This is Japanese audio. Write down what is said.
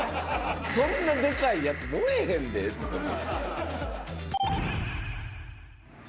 そんなでかいやつ、燃えへんでとか思って。